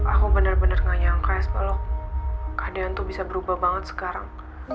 aku bener bener gak nyangka es balok kak deyan tuh bisa berubah banget sekarang